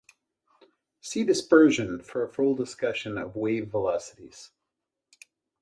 See dispersion for a full discussion of wave velocities.